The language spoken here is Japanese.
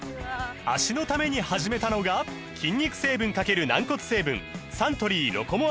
脚のために始めたのが筋肉成分×軟骨成分サントリー「ロコモア」です